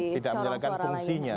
tidak menjalankan fungsinya